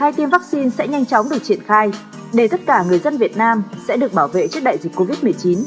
tiêm vaccine sẽ nhanh chóng được triển khai để tất cả người dân việt nam sẽ được bảo vệ trước đại dịch covid một mươi chín